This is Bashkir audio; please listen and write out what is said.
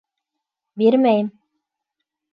Бирмәйем.